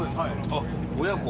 あっ親子？